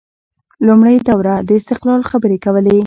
لومړۍ دوره د استقلال خبرې کولې